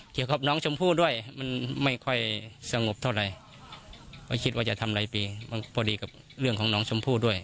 เกี่ยวกับน้องชมพู่ด้วยมันไม่ค่อยสงบเท่าไหร่ก็คิดว่าจะทำหลายปีมันพอดีกับเรื่องของน้องชมพู่ด้วย